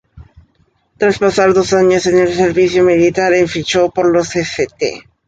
Tras pasar dos años en el servicio militar, en fichó por los St.